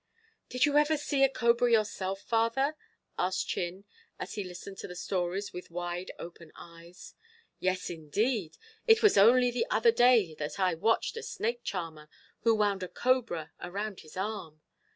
"Did you ever see a cobra yourself, father?" asked Chin, as he listened to the stories with wide open eyes. "Yes, indeed. It was only the other day that I watched a snake charmer, who wound a cobra around his arm."